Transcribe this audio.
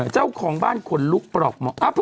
เจ้าของบ้านขนลุขปรก